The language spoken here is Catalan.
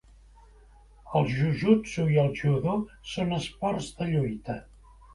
El jujutsu i el judo són esports de lluita.